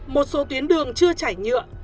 một số tuyến đường chưa chảy nhựa